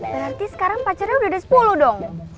berarti sekarang pacarnya udah ada sepuluh dong